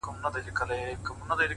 • چي وايي؛